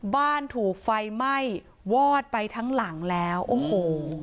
บ้านถูกไฟไหม้วอดไปทั้งหลังแล้วโอ้โห